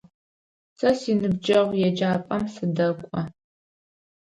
Сэ синыбджэгъу еджапӏэм сыдэкӏо.